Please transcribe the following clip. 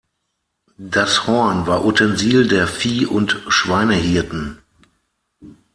Das Horn war Utensil der Vieh- und Schweinehirten.